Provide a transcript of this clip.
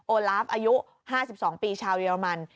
ลาฟอายุ๕๒ปีชาวเยอรมัน